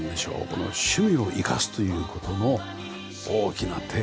この趣味を生かすという事の大きなテーマ。